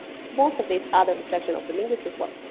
Most of these are a reflection of linguistic fieldwork.